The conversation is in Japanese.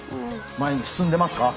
前に進んでますか？